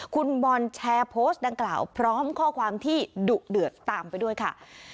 คุณบอลแชร์โพสต์ดังกล่าวพร้อมข้อความที่ดุเดือดตามไปด้วยค่ะ